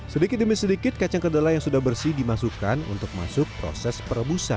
sedikit demi sedikit kacang kedelai yang sudah bersih dimasukkan untuk masuk proses perebusan